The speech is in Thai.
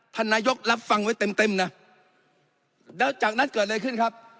ท่านนายกรับฟังไว้เต็มเต็มนะแล้วจากนั้นเกิดอะไรขึ้นครับ